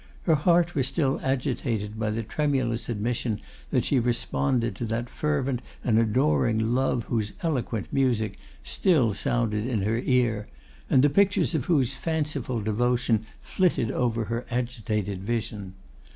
Her heart was still agitated by the tremulous admission that she responded to that fervent and adoring love whose eloquent music still sounded in her ear, and the pictures of whose fanciful devotion flitted over her agitated vision.